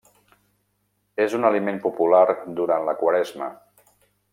És un aliment popular durant la Quaresma.